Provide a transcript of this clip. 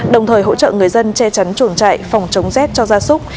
đồng thời hỗ trợ người dân che chắn chuồng trại phòng chống rét cho gia súc